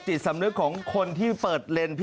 จิตสำนึกของคนที่เปิดเลนส์